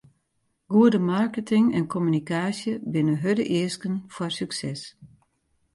Goede marketing en kommunikaasje binne hurde easken foar sukses.